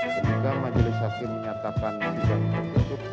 ketika majelis saksi menyatakan sidang tertutup